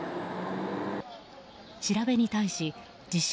調べに対し自称